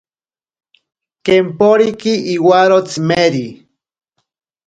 Kemporiki iwaro tsimeri.